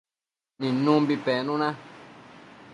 nidnumbi penuna